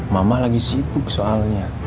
mama lagi sibuk soalnya